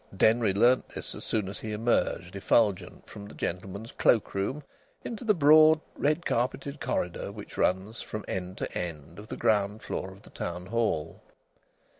Denry learned this as soon as he emerged, effulgent, from the gentlemen's cloak room into the broad red carpeted corridor which runs from end to end of the ground floor of the Town Hall.